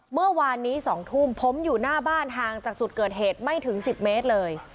เมื่อวานนี้๒ทุ่มผมอยู่หน้าบ้านห่างจากจุดเกิดเหตุไม่ถึง๑๐เมตรเลย